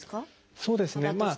そうですね。